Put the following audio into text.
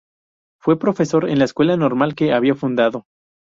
Fue profesor en la Escuela Normal que había fundado.